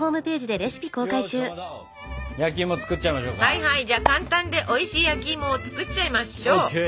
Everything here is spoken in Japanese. はいはいじゃあ簡単でおいしい焼きいもを作っちゃいましょう！ＯＫ。